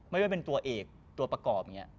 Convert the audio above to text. ไม่ว่าเป็นตัวเอกตัวประกอบ